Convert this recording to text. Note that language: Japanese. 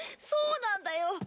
そうなんだよ！